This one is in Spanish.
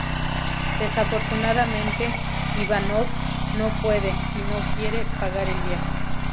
Desafortunadamente, Ivánov no puede, y no quiere, pagar el viaje.